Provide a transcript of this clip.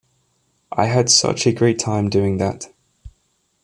I had such a great time doing that.